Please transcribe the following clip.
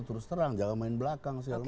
terus terang jangan main belakang